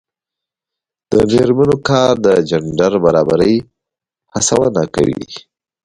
د میرمنو کار د جنډر برابرۍ هڅونه کوي.